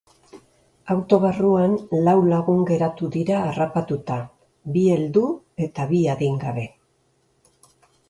Auto barruan lau lagun geratu dira harrapatuta, bi heldu eta bi adingabe.